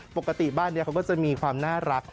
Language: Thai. ปกติบ้านนี้เขาก็จะมีความน่ารัก